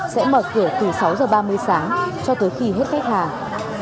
sẽ mở cửa từ sáu giờ ba mươi sáng cho tới khi hết khách hàng